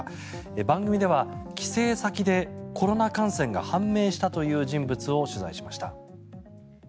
番組では帰省先でコロナ感染が判明したという人物を取材しました。